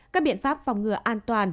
các biện pháp phòng ngừa an toàn